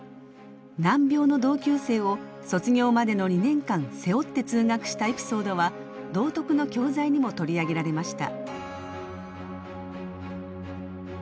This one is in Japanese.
難病の同級生を卒業までの２年間背負って通学したエピソードは道徳の教材にも取り上げられました。